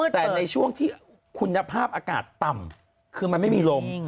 แต่ในช่วงที่คุณภาพอากาศต่ำคือมันไม่มีลม